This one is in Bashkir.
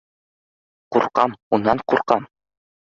Ҡурҡам, унан ҡурҡам!